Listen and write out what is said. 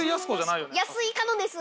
安井かのんです。